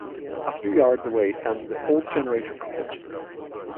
A few yards away stands the Old Generator Cottage.